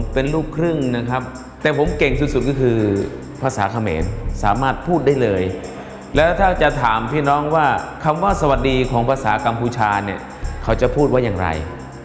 พูดได้เลยแล้วถ้าจะถามพี่น้องว่าคำว่าสวัสดีของภาษากรรมภูชาเนี่ยเขาจะพูดว่าอย่างไร